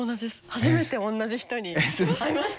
初めて同じ人に会いました。